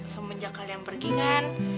semenjak kalian pergi kan